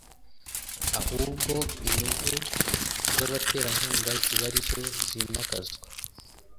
ahubwo inyungu z’abaterankunga ziba arizo zimakazwa